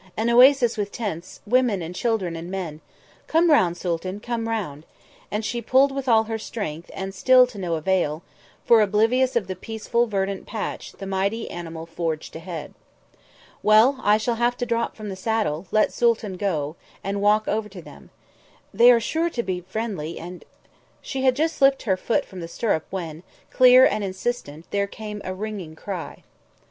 An oasis with tents; women and children and men. Come round, Sooltan, come round." And she pulled with all her strength, and still to no avail, for, oblivious of the peaceful, verdant patch, the mighty animal forged ahead. "Well, I shall have to drop from the saddle, let Sooltan go, and walk over to them. They are sure to be friendly and ..." She had just slipped her foot from the stirrup when, clear and insistent, there came a ringing cry.